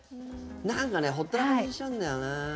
なんかね、ほったらかしにしちゃうんだよな。